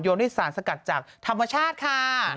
ด้วยสารสกัดจากธรรมชาติค่ะ